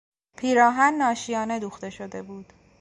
پیراهن ناشیانه دوخته شده بود.